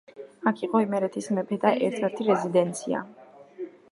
აქ იყო იმერეთის მეფეთა ერთ-ერთი რეზიდენცია.